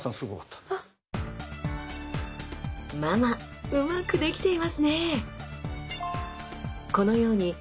ママうまくできていますね！